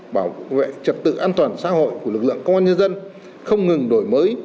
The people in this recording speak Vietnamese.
bảo vệ trật tự an toàn xã hội của lực lượng công an nhân dân không ngừng đổi mới